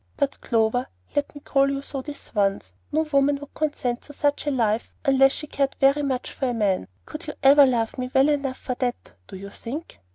But Clover, let me call you so this once, no woman could consent to such a life unless she cared very much for a man. Could you ever love me well enough for that, do you think?"